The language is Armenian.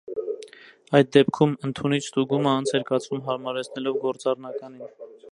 Այդ դեպքում ընդունիչ ստուգումը անց էր կացվում՝ հարմարեցնելով գործառնականին։